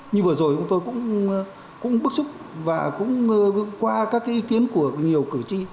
như vừa rồi tôi cũng bức xúc và cũng qua các cái ý kiến của nhiều cử tri